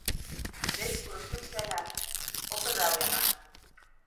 Beş kuruşluk fener o kadar yanar.